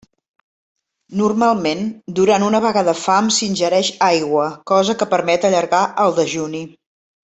Normalment, durant una vaga de fam s'ingereix aigua, cosa que permet allargar el dejuni.